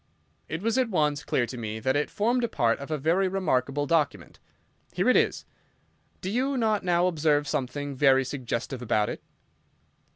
It was at once clear to me that it formed part of a very remarkable document. Here it is. Do you not now observe something very suggestive about it?"